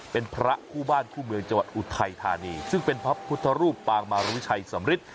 เป็นพระคู่บ้านคู่เมืองจังหวัดอุทัยธานีซึ่งเป็นพระพุทธรูปปางมารุชัยสำริท